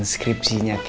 suka sama aku